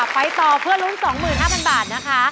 ไปต่อเพื่อลุ้น๒๕๐๐บาทนะคะ